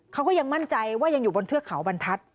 เขาก็ยังมั่นใจว่ายังอยู่บนเทือกเขาบรรทัศน